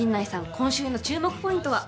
今週の注目ポイントは？